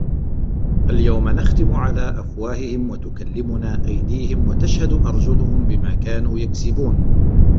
اليَومَ نَختِمُ عَلى أَفواهِهِم وَتُكَلِّمُنا أَيديهِم وَتَشهَدُ أَرجُلُهُم بِما كانوا يَكسِبونَ